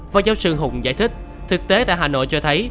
phó giáo sư hùng giải thích thực tế tại hà nội cho thấy